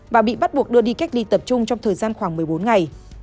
và bị bắt buộc đưa đi cách ly tập trung trong thời gian khoảng một mươi bốn ngày